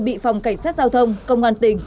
bị phòng cảnh sát giao thông công an tỉnh